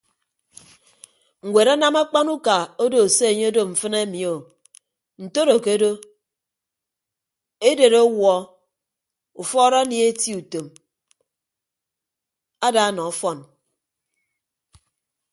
Ñwed anam akpan uka odo se anye odo mfịn ami o ntodo ke odo edet ọwuọ ufuọd anie eti utom ada nọ ọfọn.